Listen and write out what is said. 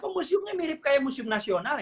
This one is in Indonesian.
kok museumnya mirip kayak museum nasional ya